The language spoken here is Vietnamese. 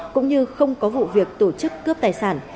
cũng như không có vụ việc tổ chức cướp tài sản